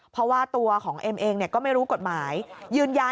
เพราะว่าตัวของเอมเองก็ไม่รู้กฎหมาย